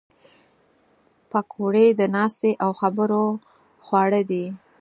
پکورې د ناستې او خبرو خواړه دي